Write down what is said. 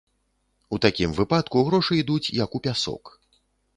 У такім выпадку грошы ідуць, як у пясок.